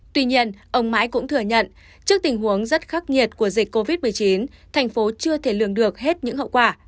tuy nhiên ông mãi cũng thừa nhận trước tình huống rất khắc nghiệt của dịch covid một mươi chín thành phố chưa thể lường được hết những hậu quả